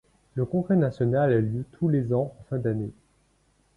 Le congrès national a lieu tous les ans en fin d'année.